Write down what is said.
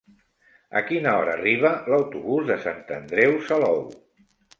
A quina hora arriba l'autobús de Sant Andreu Salou?